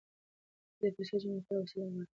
د پیسو جمع کول حوصله غواړي.